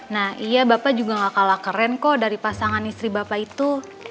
nah iya bapak juga gak kalah keren kok dari pasangan istri bapak itu